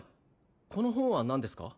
この本は何ですか？